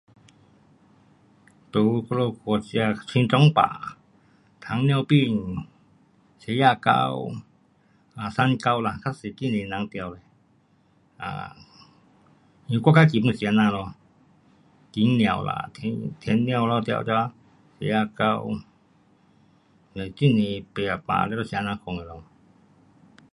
在我们国家，心脏病，糖尿病，血压高，啊三高啦，较多很多人得。啊，因为我自己 pun 是这样咯，甜尿啦，甜尿啦，这个，血压高，嘞很多病，全部是这样款的咯。